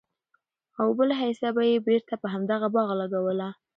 او بله حيصه به ئي بيرته په همدغه باغ لګوله!!